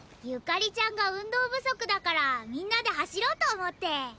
ユカリちゃんが運動不足だからみんなで走ろうと思って。